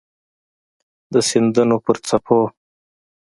د سیندونو پر څپو